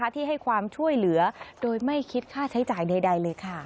ที่ให้ความช่วยเหลือโดยไม่คิดค่าใช้จ่ายใดเลยค่ะ